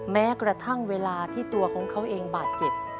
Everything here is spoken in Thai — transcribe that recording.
แม้กระทั่งเวลาที่ตัวของเขาเองบาดเจ็บ